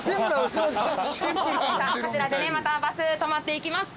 さあこちらでねまたバス止まっていきます。